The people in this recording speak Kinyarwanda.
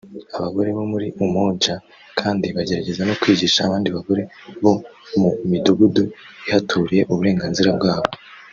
Abagore bo muri Umoja kandi bagerageza no kwigisha abandi bagore bo mu midugudu ihaturiye uburenganzira bwabo